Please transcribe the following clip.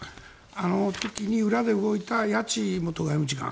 あの時に裏で動いた谷地元外務次官